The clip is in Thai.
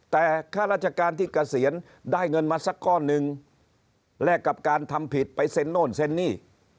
แต่ค่าราชการที่เกษียณได้เงินมาสักก้อนหนึ่งแลกกับการทำผิดไปเซ็นโน่นเซ็นนี่